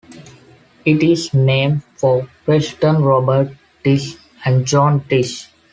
It is named for Preston Robert Tisch and Joan Tisch.